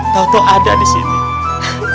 tau tau ada disini